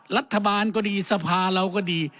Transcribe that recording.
รัฐบาลก็ดีสภาเราก็ดี